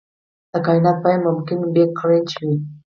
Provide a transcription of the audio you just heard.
د کائنات پای ممکن بیګ کرنچ وي.